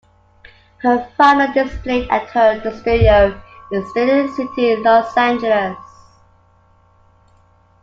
Her fine art is displayed at her studio in Studio City, Los Angeles.